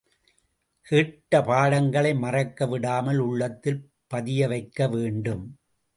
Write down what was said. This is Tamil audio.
கேட்ட பாடங்களை மறக்க விடாமல் உள்ளத்தில் பதியவைக்க வேண்டும்.